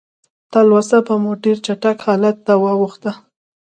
تلوسه به مو ډېر چټک حالت ته واوښته.